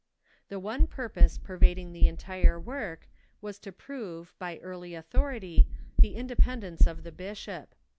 The one purpose pervading the entire work was to prove, by early authority, the independence of the bishop.